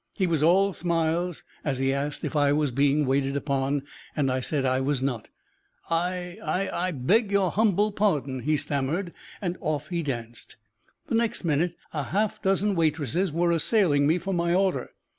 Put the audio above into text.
He was all smiles, as he asked if I was being waited upon. I said I was not. "I I I beg your humble pardon," he stammered, and off he danced. The next minute a half dozen waitresses were assailing me for my order.